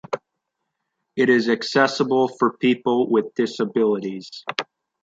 It is accessible for people with disabilities.